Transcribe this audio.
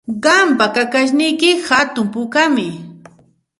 Qampa kakashniyki hatun pukami.